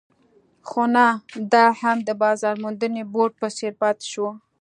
خو نه دا هم د بازار موندنې بورډ په څېر پاتې شو.